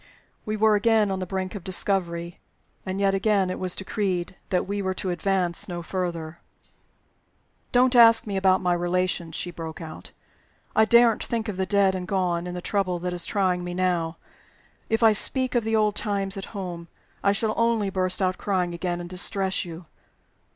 We were again on the brink of discovery. And again it was decreed that we were to advance no further. "Don't ask me about my relations!" she broke out. "I daren't think of the dead and gone, in the trouble that is trying me now. If I speak of the old times at home, I shall only burst out crying again, and distress you.